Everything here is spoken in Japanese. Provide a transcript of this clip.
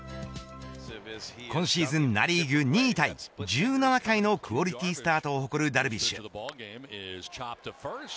今シーズンナ・リーグ２位タイ１７回のクオリティースタートを誇るダルビッシュ有。